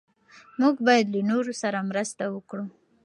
موږ باید له نورو سره مرسته وکړو.